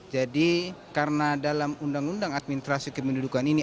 jadi karena dalam undang undang administrasi kemendudukan ini